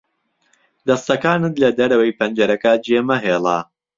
دەستەکانت لە دەرەوەی پەنجەرەکە جێمەهێڵە.